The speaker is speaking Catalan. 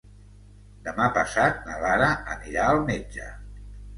Demà passat na Lara anirà al metge.